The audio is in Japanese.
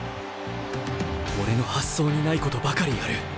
俺の発想にないことばかりやる。